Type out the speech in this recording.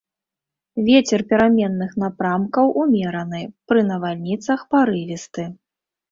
Вецер пераменных напрамкаў умераны, пры навальніцах парывісты.